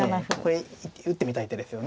これ打ってみたい手ですよね。